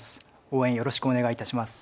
応援よろしくお願いいたします。